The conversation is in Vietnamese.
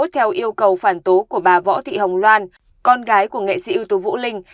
theo yêu cầu phản tố của bà võ thị hồng loan con gái của nghệ sĩ ưu tú vũ linh